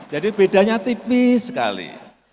jadi bedanya tipis sekali